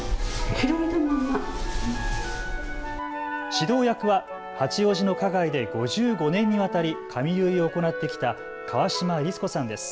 指導役は八王子の花街で５５年にわたり髪結いを行ってきた川嶋律子さんです。